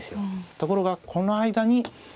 ところがこの間に暴れる。